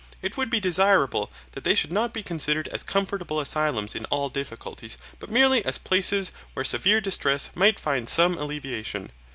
It would be desirable that they should not be considered as comfortable asylums in all difficulties, but merely as places where severe distress might find some alleviation.